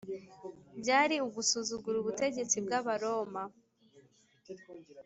byari ugusuzugura ubutegetsi bw’abaroma